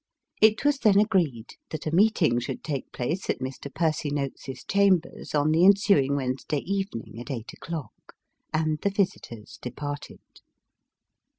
It was then agreed that a meeting should take place at Mr. Percy Noakes's chambers on the ensuing Wednesday evening at eight o'clock, and the visitors departed.